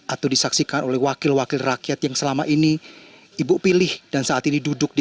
atau disaksikan oleh wakil wakil rakyat yang selama ini ibu pilih dan saat ini duduk di